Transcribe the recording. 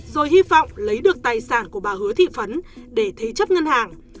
rồi hy vọng lấy được tài sản của bà hứa thị phấn để thế chấp ngân hàng